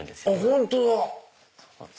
本当だ！